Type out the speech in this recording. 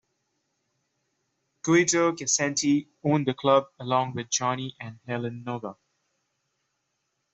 Guido Caccienti owned the club along with Johnny and Helen Noga.